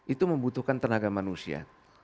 itu membutuhkan tenaga manusia